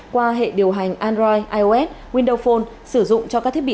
qua hệ điều hành android ios windows phone sử dụng cho các thiết bị